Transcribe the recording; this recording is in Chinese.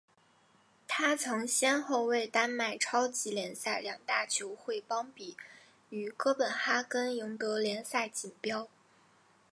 他曾先后为丹麦超级联赛两大球会邦比与哥本哈根赢得联赛锦标。